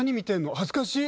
はずかしい。